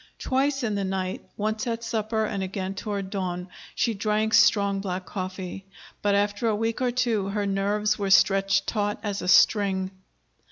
Twice in the night, once at supper and again toward dawn, she drank strong black coffee. But after a week or two her nerves were stretched taut as a string.